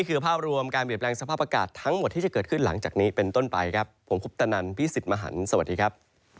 เตาวันออกของประเทศญี่ปุ่นนะครับ